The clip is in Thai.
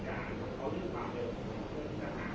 แต่ว่าไม่มีปรากฏว่าถ้าเกิดคนให้ยาที่๓๑